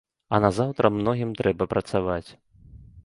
А назаўтра многім трэба працаваць.